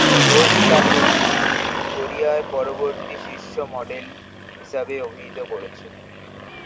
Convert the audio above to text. ভোগ তাকে "কোরিয়ার পরবর্তী শীর্ষ মডেল" হিসেবে অভিহিত করেছে।